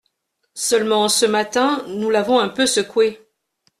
Seulement, ce matin, nous l'avons un peu secoué.